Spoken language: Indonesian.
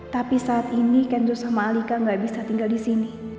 tapi saat ini kenzo sama alika gak bisa tinggal disini